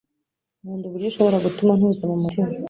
Nkunda uburyo ushobora gutuma ntuza mumutima